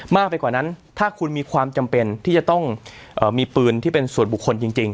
มากไปกว่านั้นถ้าคุณมีความจำเป็นที่จะต้องมีปืนที่เป็นส่วนบุคคลจริง